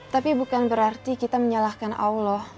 tapi bukan berarti kita menyalahkan allah